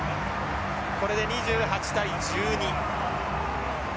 これで２８対１２。